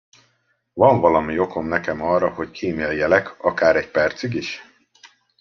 Van valami okom nekem arra, hogy kíméljelek, akár egy percig is?